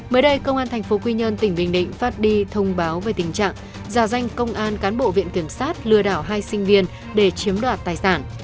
mới đây công an tp quy nhơn tỉnh bình định phát đi thông báo về tình trạng giả danh công an cán bộ viện kiểm sát lừa đảo hai sinh viên để chiếm đoạt tài sản